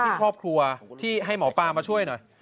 ที่ครอบครัวที่ให้หมอปลามาช่วยหน่อย